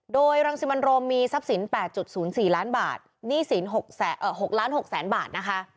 โดยรังสิมันโรมมีทรัพย์สิน๘๐๔ล้านบาทหนี้สิน๖๖๐๐๐บาทนะคะ